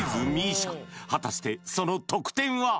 紗果たしてその得点は？